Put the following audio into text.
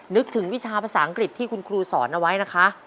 นึกถึงวิชาภาษาอังกฤษที่คุณครูสอนเอาไว้นะคะ